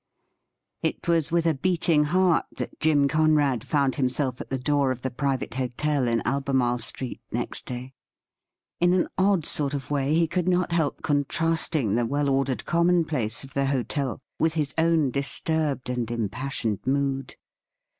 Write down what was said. It was with a beating heart that Jim Conrad found him self at the door of the private hotel in Albemarle Street next day. In an odd sort of way, he could not help con trasting the well ordered commonplace of the hotel with his own disturbed and impassioned mood.